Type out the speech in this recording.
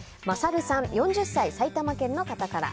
４０歳、埼玉県の方から。